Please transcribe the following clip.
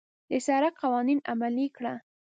د سړک قوانين عملي کړه.